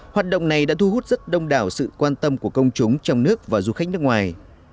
hoạt động này đã thu hút rất đông đảo sự quan tâm của công chúng trong nước và du khách nước ngoài